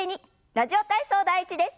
「ラジオ体操第１」です。